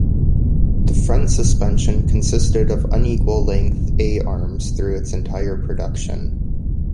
The front suspension consisted of unequal length A-arms through its entire production.